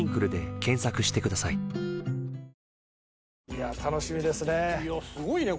いや楽しみですね。